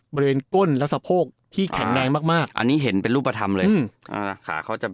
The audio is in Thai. บริเวณก้นและสะโพกที่แข็งแรงมาก